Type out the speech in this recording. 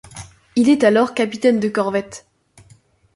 Il est alors capitaine de corvette.